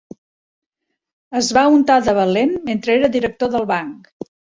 Es va untar de valent mentre era director del banc.